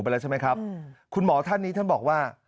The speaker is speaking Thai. ไปแล้วใช่ไหมครับคุณหมอท่านนี้ท่านบอกว่า